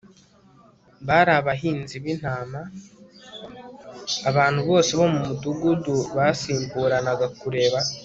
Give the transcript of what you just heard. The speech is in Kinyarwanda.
bari abahinzi b'intama. abantu bose bo mu mudugudu basimburanaga kureba